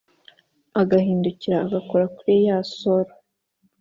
agahindukira agakora kurí yá soro